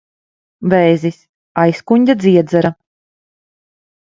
Vēzis. Aizkuņģa dziedzera.